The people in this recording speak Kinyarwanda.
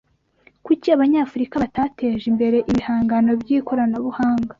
Kuki Abanyafurika batateje imbere ibihangano byikoranabuhanga